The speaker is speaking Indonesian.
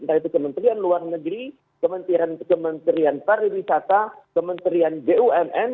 yaitu kementerian luar negeri kementerian pariwisata kementerian bumn